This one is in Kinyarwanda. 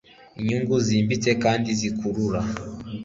Inyungu zimbitse kandi zikurura